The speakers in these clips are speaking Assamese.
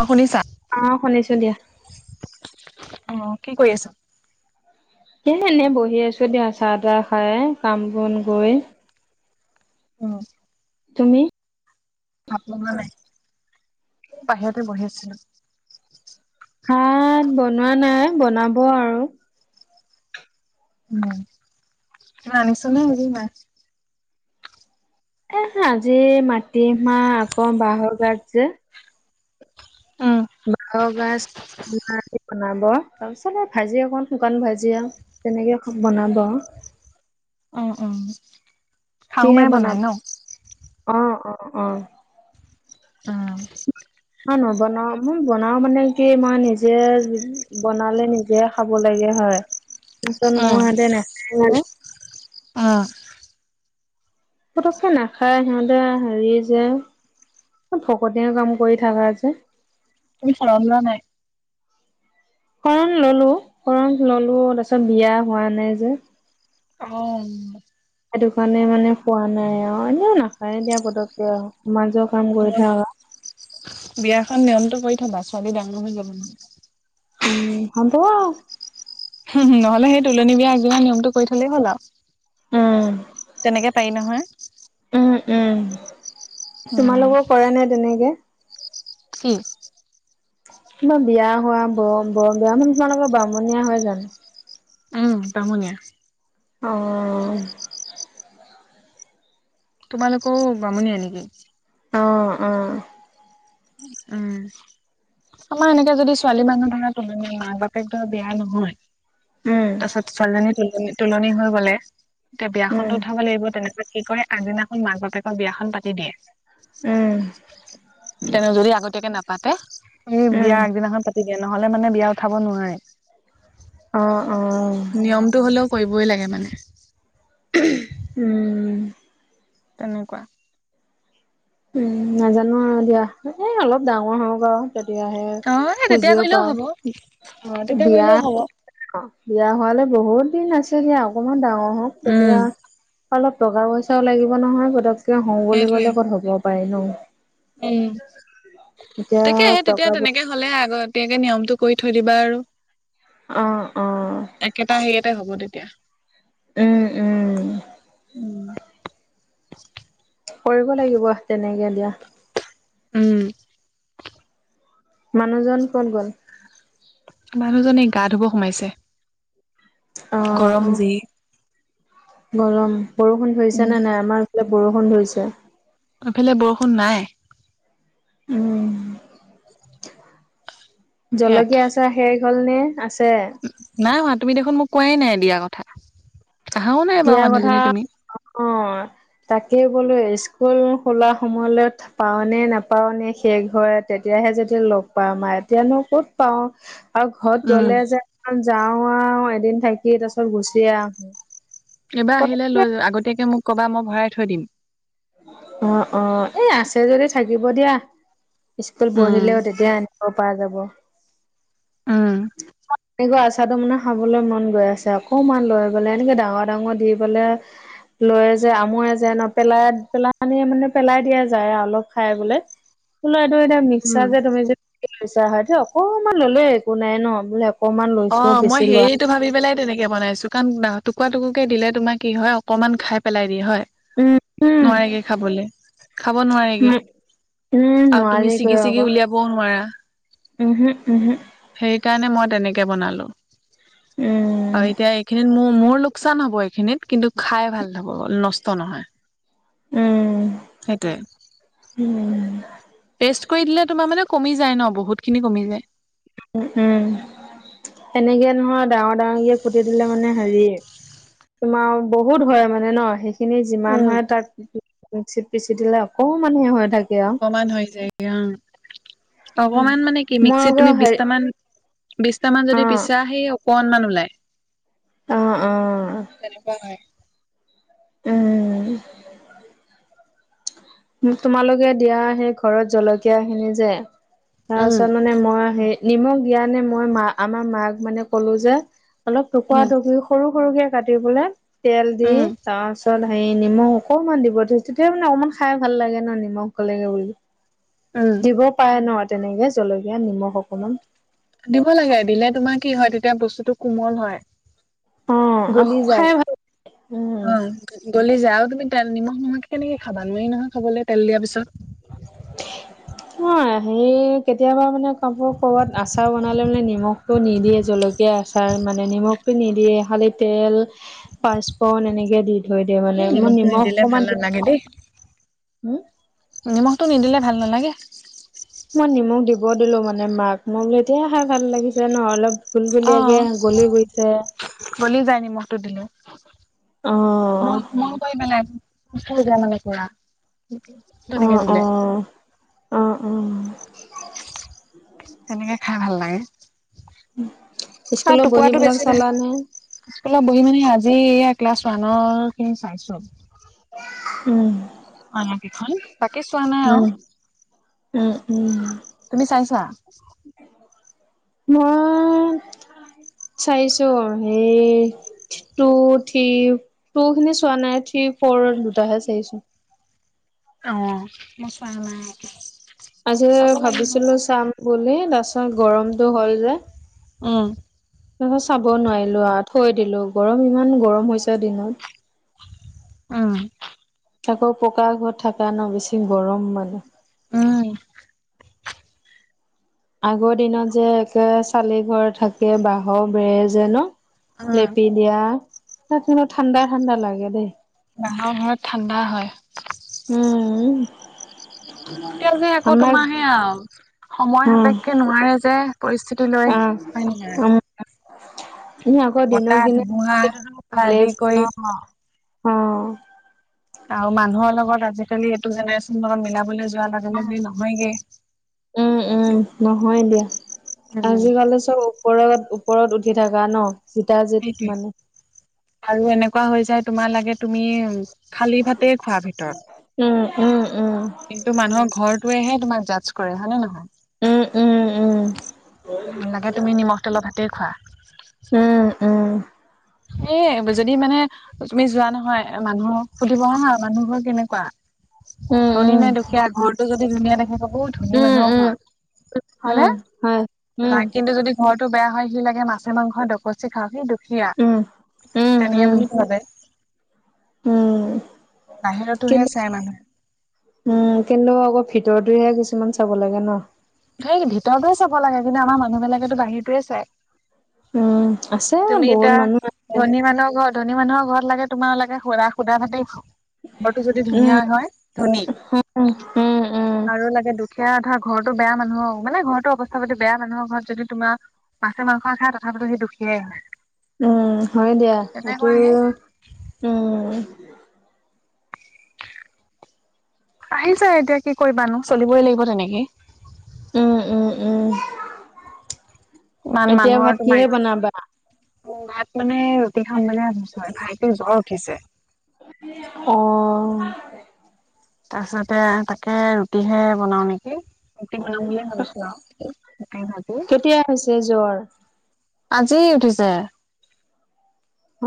অ' শুনিছা? অঁ শুনিছো দিয়া। অ' কি কৰি আছা? এ এনেই বহি আছো দিয়া, চাহ তাহ খাই কাম বন কৰি। অঁ। তুমি? ভাত বনোৱা নাই? বাহিৰতে বহি আছিলো। ভাত বনোৱা নাই, বনাব আৰু। উম মানিছু নে এহ আজি মাটি মাহ আকৌ বাঁহৰ গাজে। উম বাঁহৰ গাজ। বনাব তাৰপিছত আৰু ভাজি অকন শুকান ভাজি আৰু তেনেকে বনাব আৰু। অঁ অঁ। কিহে বনা অঁ অঁ অঁ। উম। মই নবনাও মই বনাও মানে কি মই নিজে বনালে নি যে খাব লাগোৱা হয়, পিছত মইও এতিয়া নাখাওঁ যে আহ। পতককে নাখায় সিহঁতে হেৰি যে ফকতিয়া কাম কৰি থাকা যে। তুমি শৰণ লোৱা নাই? শৰণ ল'লো শৰণ ললো তাৰপিছত বিয়া হোৱা নাই যে। অ'হ। সেইটো কাৰণে মানে হোৱা নাই আৰু এনেও নাখায়ে দিয়া পতককে সমাজৰ কাম কৰি থাকা বিয়াখন নিয়মটো কৰি থবা ছোৱালী ডাঙৰ হৈ যাব নহ'লে। উম হ'ব। নহলে সেই তুলনী বিয়া আগদিনা নিয়মটো কৰি থলেই হ'ল আৰু। উম তেনেকে পাৰি নহয়। উম উম, উম তোমালোকৰ কৰে নে তেনেকে? কি? তোমাৰ বিয়া হোৱা ব বৰ বিয়া মানে তোমাৰালোকৰ বামণীয়া হৈ জাম। উম! বামুনীয়া। [unintelligible] অঁ! [inaudible] তোমালোকও বামুণীয়া নেকি? [unintelligible] অঁ-অঁ! [inaudible] [inaudible] উম! আমাৰ এনেকা যদি ছোৱালী মানুহ ধৰা তুলনীয়া মাক-বাপেক ধৰা বিয়া নহয় [unintelligible] উম! [inaudible] [unintelligible] ত ছোৱালীজনী তোলনি-তোলনি হৈ গ'লে এতিয়া উম বিয়াখনতো উঠাব লাগিব। তেনেকুৱাত কি কৰে আগদিনাখন মাক-বাপেকৰ বিয়াখন পাতি দিয়ে। [inaudible] উম! [unintelligible] তেনে যদি আগতীয়াকে নাপাতে সেই বিয়া উম আগদিনাখন পাতি দিয়ে নহলে মানে বিয়া উঠাব নোৱাৰে। [inaudible] [inaudible] অঁ-অঁ! [unintelligible] নিয়মটো হ'লেও [unintelligible] কৰিবই লাগে মানে। [inaudible] [unintelligible] উম! উম! [unintelligible] তেনেকুৱা। [inaudible] উম! নাজানো আৰু দিয়া। এই অলপ ডাঙৰ হ‌ওক আৰু। [inaudible] তেতিয়াহে, অ' এই তেতিয়া বুজিও কৰিলেও হ'ব। অ' পাওঁ। তেতিয়া বিয়া কৰিলেও [unintelligible] হ'ব। [unintelligible] অ বিয়া হোৱালৈ বহুত দিন আছে দিয়া অকনমান ডাঙৰ হওক। উম, তেতিয়া অলপ টকা-পইচাও লাগিব নহয় পতককে হওঁ বুলি কলে ক'ত হ'ব পাৰি ন? [unintelligible] উম! এতিয়া তাকে সেই তেতিয়া টকা পই তেনেকে [inaudible] নহলে আগতিয়াকে নিয়মটো কৰি থৈ দিবা আৰু। [unintelligible] অঁ-অঁ! [inaudible] একেটা হেৰিয়াতে হব তেতিয়া। উম, উম। [inaudible] উম! কৰিব লাগিব তেনেকে দিয়া। [unintelligible] উম। [inaudible] মানুহজন ক'ত গ'ল? মানুহজন এই গা ধুব সোমাইছে। অঁ! গৰম যি। গৰম বৰষুণ ধৰিছে নে নাই? আমাৰ [inaudible] ফালে বৰষুণ ধৰিছে। এইফালে বৰষুণ নাই। উম-উম। [unintelligible] ইয়াত জলকীয়া আচাৰ শেষ হ'ল নে আছে? [unintelligible] নাই হোৱা। তুমি দেখোন মোক কোৱাই নাই দিয়া কথা? [unintelligible] আহাও নাই বাৰু দিয়া কথা মানুহজনী তুমি [inaudible] অঁ! তাকেই বোলো স্কুল খোলা সময়লৈ পাওঁ নে নাপাওঁ নে শেষ হয় তেতিয়াহে যেতিয়া লগ পাম আউ এতিয়ানো কত পাওঁ? [unintelligible] আৰু ঘৰত উম গ'লে যে যাওঁ আৰু এদিন থাকি তাৰ পিছত গুচি আহোঁ। [unintelligible] এইবাৰ আহিলে লৈ [unintelligible] আগতীয়াকে মোক ক'বা মই ভৰাই থৈ দিম। অঁ-অঁ! এই আছে যদি থাকিব দিয়া স্কুল উম বহিলেও তেতিয়া [unintelligible] ঘৰৰ পাই যাব। [unintelligible] উম। [inaudible] এনেকুৱা আচাৰটো মানে খাবলৈ মন গৈ আছে। অকণমান লৈ পেলাই, এনেকে ডাঙৰ-ডাঙৰ দি পেলাই [unintelligible] লয় যে, আমোৱে যে, নপেলাই [unintelligible] পেলানি মানে পেলাই দিয়া যায় অলপ খাই বোলে, বোলে এইটো এতিয়া উম। মিক্সাৰ যে তুমি যে, এইটো নিচা হয় ত অকমান ললে একো নাই ন বোলে। অকমান লৈছো অঁ' মই বেছি লোৱা সেই- টো ভাবি পেলাই তেনেকে বনাইছো কাৰণ টুকুৰা টুকুকে দিলে তোমাৰ কি হয় অকমান খাই পেলাই দিয়ে হয়। উম উম নোৱগে খাবলৈ খাব উম নোৱাৰেগে। উম আৰু তুমি নোৱাৰি ছিগি ছিগি উলিয়াবও নোৱাৰা। উমহু উমহু। সেই কাৰণে মই তেনেকে বনালো উম আৰু এতিয়া এইখিনিত মোৰ মোৰনো- লোকচান হ'ব এইখিনিত কিন্তু খাই ভাল হ'ব নষ্ট নহয়। উম সেইটোৱে। উম উম টেষ্ট কৰি দিলে তোমাৰ মানে কমি যায় ন বহুত খিনি কমি যায়। উ উম এনেকে নহয় ডাঙৰ ডাঙৰ কুটি দিলে মানে হেৰি, তোমাৰ বহুত হয় মানে ন সেইখিনি যিমান উম। হয় তাক- মিক্সিত পিচি দিলে অকমানহে হয় থাকে। আৰু অকমান হৈ যায় অ অকমান মানে কি মই মিক্সিত আকৌ তুমি হেৰি বিশটামান- বিশটামান অ যদি পিছা সি অকমান ওলায়। অঁ অঁ, তেনেকোৱা হয়। উম। মোক তোমালোকে দিয়া সেই ঘৰত জলকীয়া খিনি যে- উম, তাৰপাছত মানে মই সেই নিমখ দিয়ানে মই মা আমাৰ মাক মানে কলো যে- অলপ টুকুৱৰা উম, টুকু সৰু সৰুকে কাটি বলে তেল দি উম। তাৱাৰ চলাই- হেৰি নিমখ অকমান দিব তেতিয়া মানে অকমান খাই ভাল লাগে ন নিমখ গলেকে বুলি। উম। দিব পাৰে ন তেনেকে জলকীয়াত নিমখ অকণমান। দিব লাগে দিলে তোমাৰ কি হয় তেতিয়া বস্তুটো কোমল হয়। অ গলি খাই যায়। ভাল উম অঁ' গলি যায় আৰু তুমি তেল নিমখ নিমখে কেনেকে খাবা নোৱাৰি নহয় খাবলৈ তেল দিয়াৰ পিছত। [unintelligible] অ হে কেতিয়াবা মানে কব কৰবাত আচাৰ বনালে মানে নিমখ- টো নিদিয়ে জলকীয়া আচাৰ মানে নিমখটো নিদিয়ে খালি তেল- পাঁচপন এনেকে দি থৈ দিয়ে মানে এই মোৰ নিমখটো নিমখ নিদিলে ভাল অকমান দি নালাগে দেই, হম। নিমখটো নিদিলে ভাল নালাগে। মই নিমখ দিব দিলো মানে মাক, মই বোলো এতিয়াই খাই ভাল লাগিছে ন অলপ। গুল গুলীয়াকে অঁ' গলি গৈছে গলি যায় নিমখতটো দিলে। অ কোমল কোমল কৰি পেলাই, পৰি যায় মানে পুৰা। সেইটোৱে। অ', অ', অ', অ'। তেনেকে খাই ভাল লাগে। স্কুলৰ বহী বিলাক চালা নে? স্কুলৰ বহি মানে আজি, এইয়া ক্লাছ ওৱানৰ খিনি চাইছো। উম। অনা কেইখন, তাকে চোৱা নাই আৰু। উম উম উম। তুমি চাইছা? মই চাইছো সেই টু থ্ৰী টু খিনি চোৱা নাই থ্ৰী ফ'ৰ দুটাহে চাইছো অহ মই চোৱা নাই আজি চাব লাগিব ভাবিছিলোঁ চাম বুলি, তাৰপিছত গৰমতটো হ'ল যে। উম'। তাপিছত চাব নোৱাৰিলো আৰু থৈ দিলো। গৰম ইমান, গৰম হৈছে দিনত। উম। তাকৌ পকা ঘৰত থাকা ন, বেছি গৰম মানে। উম। আগৰ দিনত যে একে চালি ঘৰ থাকে, বাঁহৰ বেৰ যে ন। উম। লেপি দিয়া তাত কিন্তু ঠাণ্ডা, ঠাণ্ডা লাগে দেই। বাঁহৰ ঘৰত ঠাণ্ডা হয়। উম উম তোমা এতিয়া যে আকৌ তোমাৰ সেয়া আও সময় উম সাপেক্ষে নোৱাৰে যে, পৰিস্থিতি লৈ হয় নেকি আৰু এনে আকৌ দিনক দিনে, ধুমুহা সেইটো পৰা ভালে আদি কৰি হৈছে ন। অহ আৰু মানুহৰ লগত আজিকালি এইটো জেনেৰেশ্যনৰ লগত মিলাবলে যোৱাৰ লগে লগে নহয়গে। উম, উম নহয় দিয়া, উম, আজিকালি চব ও ওপৰত, ওপৰত উঠি থাকা ন, জিতা সেইটোৱে। জিত মানে। আৰু এনেকুৱা হৈ যায়, তোমাৰ লাগে তুমি- খালি ভাতে খোৱা উম ভিতৰত। উম উম কিন্তু মানুহৰ ঘৰটোৱেহে তোমাক জাৰ্জ কৰে, হয় নে উম উম নহয়। লাগে তুমি নিমখ তেলৰ ভাতেই খোৱা। উম, উম। এই যদি মানে তুমি যোৱা নহয়, মানুহক সুধিব হা মানুহবোৰ কেনেকুৱা। উম ধনী নে দুখীয়া, ঘৰটো যদি ধুনীয়া দেখে বহুত উম ধনী উম উম মানুহৰ উম ঘৰ উম হয়নে, হয় উম নাই কিন্তু যদি ঘৰটো বেয়া হয়, সি লাগে মাছে-মাংসয়ে দকচি খাওঁক, সি দুখীয়া। উম। উম তেনেকে উম বুলি ভাৱে, উম বাহিৰতোহে কিন্তু চাই মানুহে। উম, কিন্তু আকৌ ভিতৰটোহে কিছুমান চাব লাগে ন। সেই ভিতৰটোৱে চাব লাগে, কিন্তু আমাৰ মানুহ বিলাকেটো বাহিৰটোৱে চাই। উম আছে তুমি বহুত এতিয়া মানুহ আ ধনী মানুহৰ ঘৰ, ধনী মানুহৰ ঘৰত লাগে তোমাৰ লাগে সোধা সোধা ভাতেই খাওঁক ঘৰটো যদি ধুনীয়া উম হয়, ধনী। উম উম উম আৰু লাগে দুখীয়া এটা ঘৰটো বেয়া মানুহৰ মানে, ঘৰটোৰ অৱস্থা পাতি বেয়া মানুহৰ ঘৰত যদি তোমাৰ মাছে-মাংসই খাই তথাপিতো সি দুখীয়াই উম হয় দিয়া, এইটো তেনেকুৱা হে উম। আহি যায় এতিয়া কি কৰিবানো চলিবই লাগিব তেনেকে উম উম উম ইমান এতিয়া মানুহৰ ভাত তোমাৰ কিহে বনাবা ভাত মানে ৰুটি খাম মানে ভাবিছোঁ আৰু ভাইটিৰ জ্বৰ উঠিছে ৰুটি এখন অহ আচলতে তাকে ৰুটিহে বনাও নেকি ম ম মল ভছ কেতিয়া হৈছে জ্বৰ [inaudible] আজি উঠিছে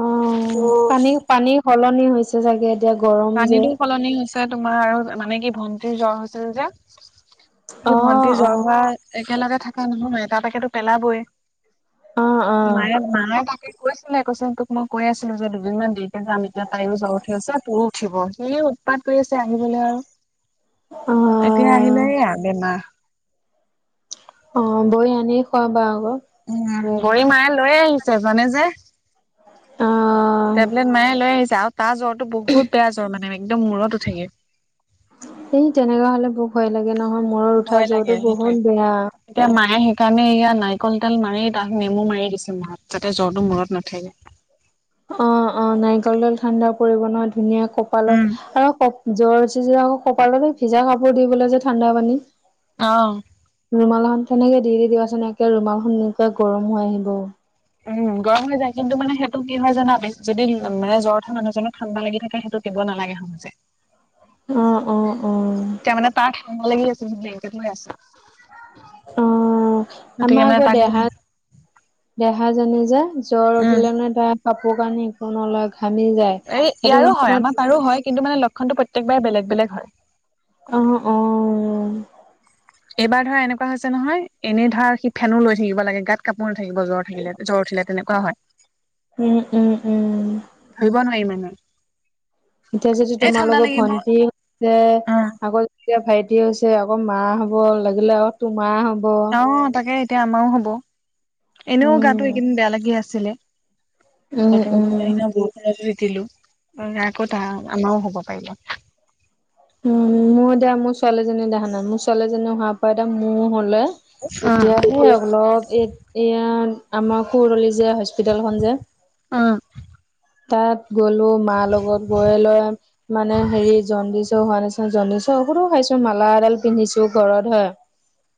অ ত' পানী পানী সলনি হৈছে চাগে এতিয়া গৰম যে পানীতো সলনি হৈছে, তোমাৰ আৰু মানে কি ভন্টিৰ জ্বৰ হৈছিল যে। অ ভন্টি অ জ্বৰ হোৱা একেলগে থাকা নহয়, এটা এটাকে টো পেলাবই। অ অ মায়ে মায়ে তাকে কৈছিলে কৈচোন তোক মই কৈ আছিলো যে দুদিনমান দেৰিকে যাম এতিয়া তাইও জ্বৰ উঠি আছে তোৰো উঠিব সেই উৎপাত কৰি আছে আহিবলৈ আৰু অ একে আহিলে অহা বেমাৰ অ বৈ আনি খোৱা বা আক উ গৰী মায়ে লৈয়ে আহিছে জানে যে অ টেবলেট মায়ে লৈ আহিছে আৰু তাৰ জ্বৰটো বহুত বেয়া জ্বৰ মানে একদম মূৰত উঠেগে এই তেনেকা হলে বৰ ভয় লাগে নহয় মূৰত উঠা ভয় লাগে জ্বৰতো সেইটোৱে বহুত বেয়া এতিয়া মায়ে সেইকাৰণে এইয়া নাৰিকল তেল মাৰি তাক নেমু মাৰি দিছে মূৰত যাতে জ্বৰটো মূৰত নুঠেগে অ অ নাৰিকলতেল ঠাণ্ডা পৰিব নহয় ধুনীয়া উম কপালত আৰু জ্বৰ উঠি যায় আকৌ কপালতে ভিজা কাপোৰ দিবলৈ যে ঠাণ্ডা পানী অ ৰুমালখন তেনেকে দি দি দিবাচোন একে ৰুমালখন নিজে গৰম হৈ আহিব উম গৰম হৈ যায় কিন্তু মানে সেইটো কি হয় জানা যদি মান জ্বৰ উঠা মানুহজনক ঠাণ্ডা লাগি থাকে সেইটো দিব নালাগে সহজে অ অ তাৰ মানে তাত ঠাণ্ডা লাগি আছে ব্লেংকেত ত লৈ আছা অ গতিকে আমাৰ মানে আকৌ তাক দিব দেহা দেহাজনে যে জ্বৰ উম উঠিলে মানে তাৰ কাপোৰ কানি একো নলয় ঘামি যায় এই সেইটো ইয়াৰো হয় সময়ত আমাৰ তাৰো হয় কিন্তু মানে লক্ষণটো প্ৰত্যেকবাৰে বেলেগ বেলেগ হয় অঁ অঁ এবাৰ ধৰা এনেকুৱা হৈছে নহয় এনেই ধৰা সি ফেনো লৈ থাকিব লাগে গাত কাপোৰ নাথাকিব জ্বৰ থাকিলে জ্বৰ উঠিলে তেনেকুৱা হয় উম উম উম উম ধৰিব নোৱাৰি মানে এতিয়া যদি এই তোমাৰ ঠাণ্ডা লোকৰ লাগিব ভন্টিযে অ আগত এতিয়া ভাইটি হৈছে আকৌ মা হব লাগিলে আকৌ তোমাৰ হব অ তাকে এতিয়া আমাৰো হব এনেও গাটো উম। এইকেইদিন বেয়া লাগি আছিলে উম তত উম বু লো [inaudible] আকৌ তা আমাৰও হব পাৰিলে উ মোৰ এতিয়া মোৰ ছোৱালীজনী দেখা নাই মোৰ ছোৱালীজনী হোৱাৰ পৰা এতিয়া মোৰ হলে এতিয়া উম, সে অলপ এই এয়া আমাৰ কুৰদলি যে হস্পিতেল খন যে অ তাত গ'লো মাৰ লগত গৈ লৈ মানে হেৰি জণ্ডিচ হোৱা নাছিল জণ্ডিচৰ দৰপো খাইছো মালা এডাল পিন্ধিছো ঘৰত হয়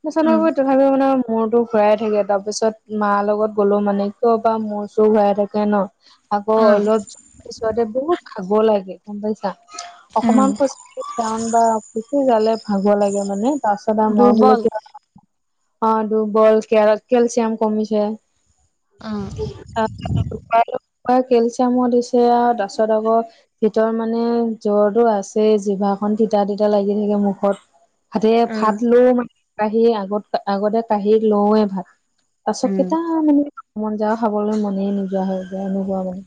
নচান উম, তথাপিও মানে মূৰতো ঘূৰাই থাকে তাৰপিছত মাৰ লগত গলো মানে আগৰপৰা মূৰ চুৰ ঘূৰাই থাকে ন আগৰ অলপ ওচৰতে বহুত খাব লাগে গম পাইছা উম, অকমান পইচা টাউন বা যটো যালে ভাগৰ লাগে মানে তাৰ পাছত আৰু মই বোলে দুৰ্বল ক অ ডুবল কে কেলচিয়াম কমিছে উম। কেলছিয়ামো দিছে আৰু তাৰ পাছত আকৌ ভিতৰত মানে জ্বৰটো আছেই। জিভাখন তিতা তিতা লাগি থাকে মুখত, ভাতে উম, ভাত লৈও মা কাঢ়িয়ে আগত আগতে কাঁহিত লওঁৱে ভাত। পাছত উম। কেইটা মানে মন যোৱা খাবলৈ মনে নোযোৱা হয় যায় এনেকুৱা মানে।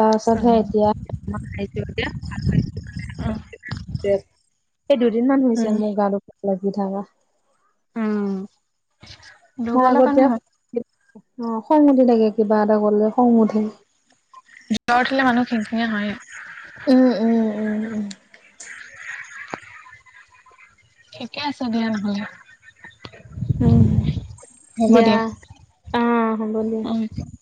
তাৰপাছত সে উম। এতিয়া এই দুদিন মান হৈছে উম, মোৰ গা দুখ লাগি থকা। উম, মই দুৰ্বলৰ আগতে, কাৰণে হয়। অ খং উঠি থাকে কিবা এটা ক'লে খং উঠে। জ্বৰ উঠিলে মানুহ খিং খিঙীয়া হয়য়ে। উম উম উম উম। ঠিকে আছে দিয়া নহ'লে। উম, দিয়া, অ হ'ব দিয়া। [unintelligible]